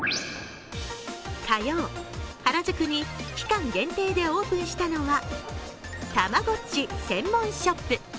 火曜、原宿に期間限定でオープンしたのはたまごっち専門ショップ。